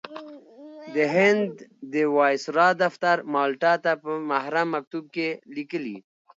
د هند د وایسرا دفتر مالټا ته په محرم مکتوب کې لیکلي.